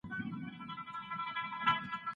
سوله د ژوند ښکلا ده.